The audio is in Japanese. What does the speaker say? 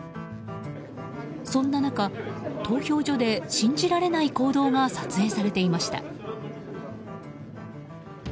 そんな中、投票所で信じられない行動が撮影されていました。